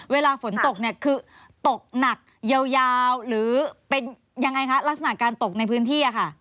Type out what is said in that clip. เวลาฝนตกเนี่ยคือตกหนักยาวหรือเป็นยังไงคะลักษณะการตกในพื้นที่ค่ะ